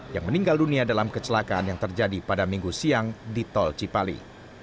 yang meninggal dunia dalam kecelakaan yang terjadi pada minggu siang di tol cipali